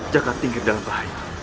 jaka tinggi dalam bahaya